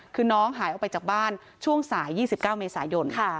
คือน้องหายออกไปจากบ้านช่วงสาย๒๙เมษายน